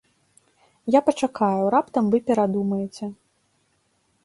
Я пачакаю, раптам вы перадумаеце.